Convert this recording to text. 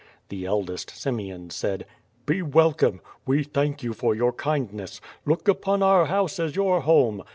The eldest, Simeon, said: "Be welcome! We thank you for your kindness. Look npon our house as your home.